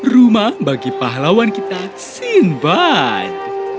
rumah bagi pahlawan kita sindi